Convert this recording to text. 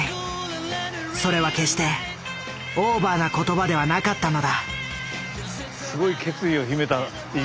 それは決してオーバーな言葉ではなかったのだ。